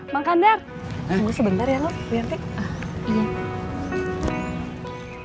bang kandar tunggu sebentar ya lo biarin tin